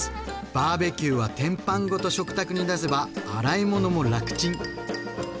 バーベキューは天板ごと食卓に出せば洗い物も楽ちん！